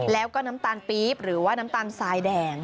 แล้วก็น้ำตาลปี๊บหรือว่าน้ำตาลทรายแดง